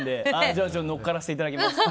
じゃあ乗っからせていただきますと。